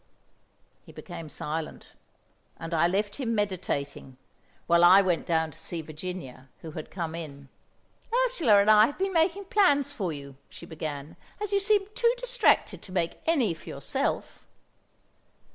He became silent, and I left him meditating, while I went down to see Virginia, who had come in. "Ursula and I have been making plans for you," she began, "as you seem too distracted to make any for yourself."